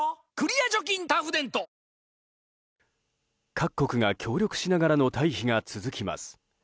各国が協力しながらの退避が続きます。